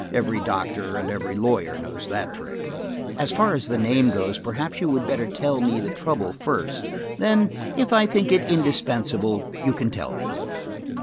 Every doctor and every lawyer knows that trick. "As far as the name goes, perhaps you would better tell me the trouble first. Then, if I think it indispensable, you can tell me."